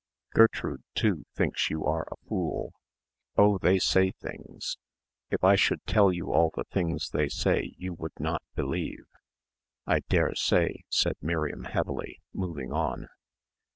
Gertrude, too, thinks you are a fool. Oh, they say things. If I should tell you all the things they say you would not believe." "I dare say," said Miriam heavily, moving on.